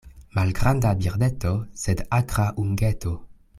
Malgranda birdeto, sed akra ungeto.